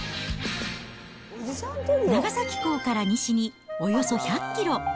長崎港から西におよそ１００キロ。